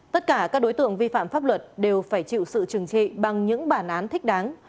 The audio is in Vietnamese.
tất cả các đối tượng vi phạm pháp luật đều phải chịu sự trừng trị bằng những bản án thích đáng